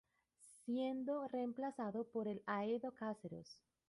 Siendo reemplazado por el de Haedo-Caseros.